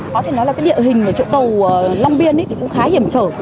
có thể nói là cái địa hình ở chỗ tàu long biên thì cũng khá hiểm trở